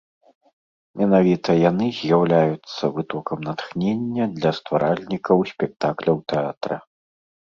Менавіта яны з'яўляюцца вытокам натхнення для стваральнікаў спектакляў тэатра.